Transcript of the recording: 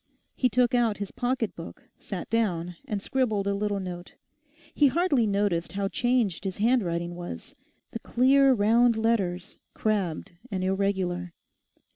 He took out his pocket book, sat down, and scribbled a little note. He hardly noticed how changed his handwriting was—the clear round letters crabbed and irregular.